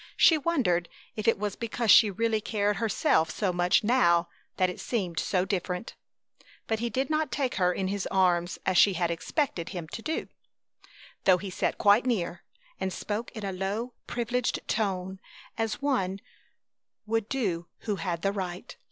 She wondered if it was because she really cared herself so much now that it seemed so different. But he did not take her in his arms as she had expected he would do; though he sat quite near, and spoke in a low, privileged tone, as one would do who had the right.